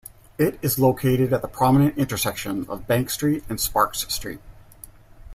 It is located at the prominent intersection of Bank Street and Sparks Street.